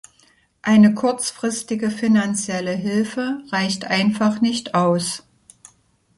Eine kurzfristige finanzielle Hilfe reicht einfach nicht aus.